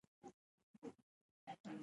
چندریان سپوږمۍ ته لاړ.